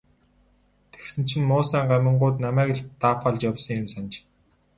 Тэгсэн чинь муусайн гамингууд намайг л даапаалж явсан юм санж.